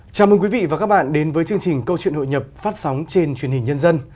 chào mừng quý vị và các bạn đến với chương trình câu chuyện hội nhập phát sóng trên truyền hình nhân dân